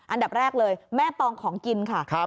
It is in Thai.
อันดับแรกเลยแม่ปองของกินค่ะ